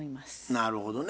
なるほどね。